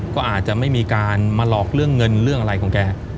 ก็อาจจะไม่มีการมาหลอกเรื่องเงินเรื่องอะไรของแก